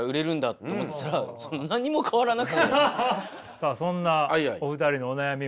さあそんなお二人のお悩みは？